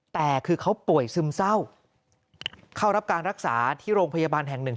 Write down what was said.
แต่คือเขาป่วยซึมเศร้าเข้ารับการรักษาที่โรงพยาบาลแห่งหนึ่ง